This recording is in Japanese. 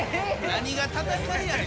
何が戦いやねん？